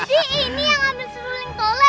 jadi ini yang ambil suling tolek